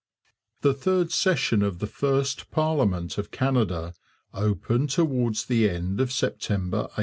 The third session of the first parliament of Canada opened towards the end of September 1843.